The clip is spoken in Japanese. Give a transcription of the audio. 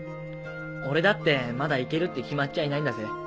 俺だってまだ行けるって決まっちゃいないんだぜ。